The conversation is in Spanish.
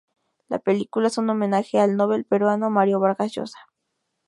La película es un homenaje al nobel peruano Mario Vargas Llosa.